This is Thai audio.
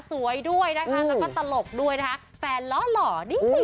สวยด้วยนะคะแล้วก็ตลกด้วยนะคะแฟนล้อหล่อนี่สิ